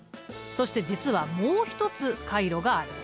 そして実はもう一つ回路がある。